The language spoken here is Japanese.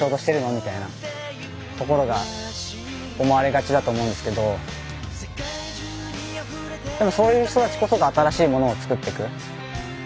みたいなところが思われがちだと思うんですけどそういう人たちこそが新しいものをつくっていく。